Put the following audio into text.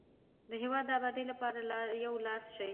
د هیواد د ابادۍ لپاره یو لاس شئ.